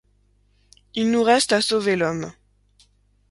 Il nous reste à sauver l'homme.